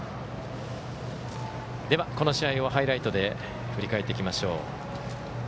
この試合をハイライトで振り返っていきましょう。